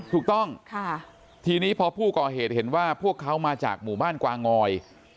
ถูกต้องทีนี้พอผู้ก่อเหตุเห็นว่าพวกเขามาจากหมู่บ้านกวางอย